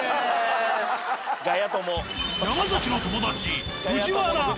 山崎の友達。